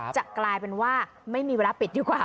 จะกลายเป็นว่าไม่มีเวลาปิดที่ความน่อย